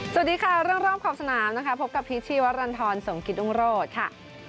สวัสดีค่ะเรื่องรอบขอบสนามนะคะพบกับพีชชีวรรณฑรสมกิตรุงโรธค่ะ